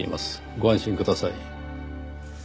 ご安心ください。